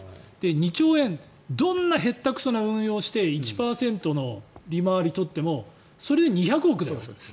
２兆円どんな下手くそな運用をして１％の利回り取ってもそれで２００億だよ。